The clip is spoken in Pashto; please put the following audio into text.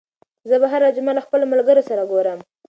زه به هره جمعه له خپلو ملګرو سره ګورم.